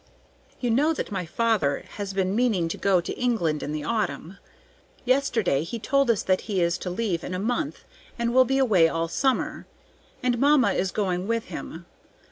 "You know that my father has been meaning to go to England in the autumn? Yesterday he told us that he is to leave in a month and will be away all summer, and mamma is going with him.